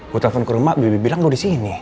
gue telepon ke rumah bibir bilang lu disini